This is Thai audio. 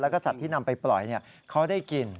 แล้วก็สัตว์ที่นำไปปล่อยเขาได้กิน